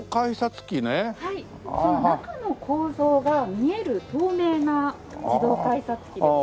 その中の構造が見える透明な自動改札機です。